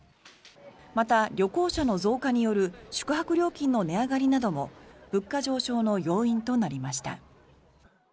また、旅行者の増加による宿泊料金の値上がりなども物価上昇の要因となりました。